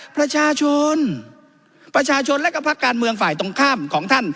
ประชาชนประชาชนและก็พักการเมืองฝ่ายตรงข้ามของท่าน